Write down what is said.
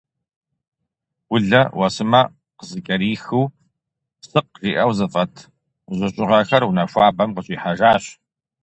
Улэ, уэсымэ къызыкӏэрихыу, «сыкъ» жиӏэу зэфӏэт жьыщӏыгъэхэр унэ хуабэм къыщӏихьэжащ.